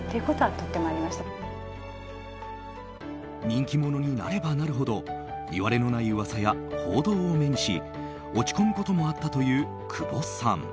人気者になればなるほどいわれのない噂や報道を目にし落ち込むこともあったという久保さん。